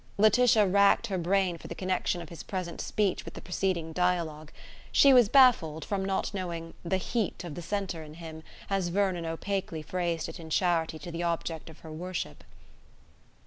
Laetitia racked her brain for the connection of his present speech with the preceding dialogue. She was baffled, from not knowing "the heat of the centre in him", as Vernon opaquely phrased it in charity to the object of her worship.